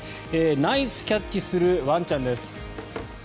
ナイスキャッチするワンちゃんです。